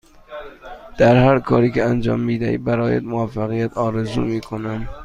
در هرکاری که انجام می دهی برایت موفقیت آرزو می کنم.